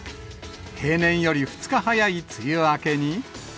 平年より２日早い梅雨明けに。